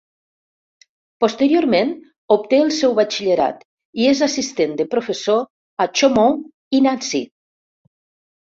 Posteriorment obté el seu Batxillerat, i és assistent de professor a Chaumont i a Nancy.